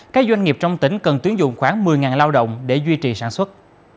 các doanh nghiệp trong tỉnh cần tuyến dụng khoảng một mươi lao động để duy trì sản xuất